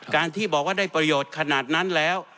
ที่บอกว่าได้ประโยชน์ขนาดนั้นแล้ว